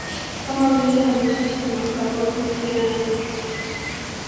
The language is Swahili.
Kama vile mchicha na Karoti pia nyanya